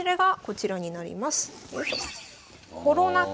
よいしょ。